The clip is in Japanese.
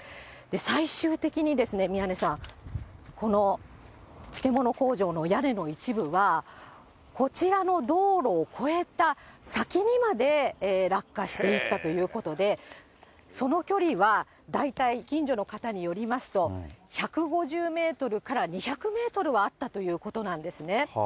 最終的にですね、宮根さん、この漬物工場の屋根の一部は、こちらの道路を越えた先にまで落下していったということで、その距離は大体、近所の方によりますと、１５０メートルから２００メートルはあったということなんですね。